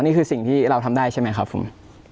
นี่คือสิ่งที่เราทำได้ใช่ไหมครับผม